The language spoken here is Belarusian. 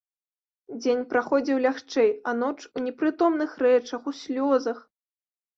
Дзень праходзіў лягчэй, а ноч у непрытомных рэчах, у слёзах.